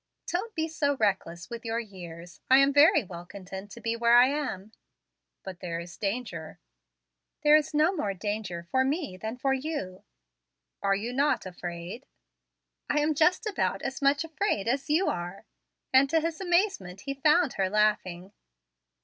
"Don't be so reckless with your years. I am very well content to be where I am." "But there is danger." "There is no more danger for me than for you." "Are you not afraid?" "I am just about as much afraid as you are"; and, to his amazement, he found her laughing.